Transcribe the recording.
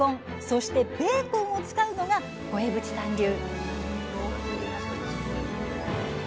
そしてベーコンを使うのが五江渕さん流！